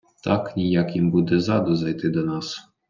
Так ніяк їм буде ззаду зайти до нас.